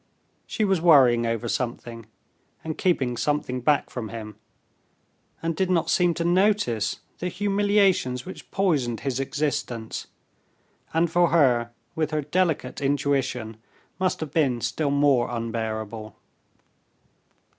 She was worrying over something, and keeping something back from him, and did not seem to notice the humiliations which poisoned his existence, and for her, with her delicate intuition, must have been still more unbearable.